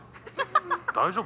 大丈夫？